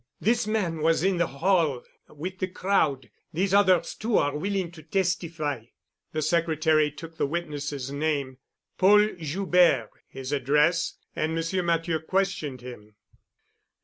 "This man was in the hall with the crowd. These others too are willing to testify." The secretary took the witness's name, Paul Joubert, his address, and M. Matthieu questioned him.